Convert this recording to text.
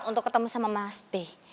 untuk ketemu sama mas p